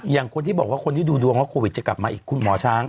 อย่างที่บอกว่าคนที่ดูดวงแล้วโควิดจะกลับมาอีกคุณหมอช้าง